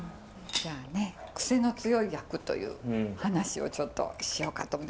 じゃあねクセの強い役という話をちょっとしようかと思って。